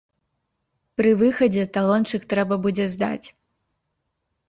Пры выхадзе талончык трэба будзе здаць.